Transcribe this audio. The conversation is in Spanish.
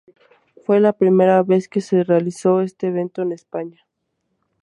Fue la primera vez que se realizó este evento en España.